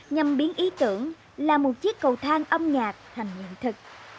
nhằm biến ý tưởng là một chiếc cầu thang âm nhạc thành hiện thực